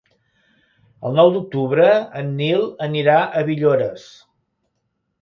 El nou d'octubre en Nil anirà a Villores.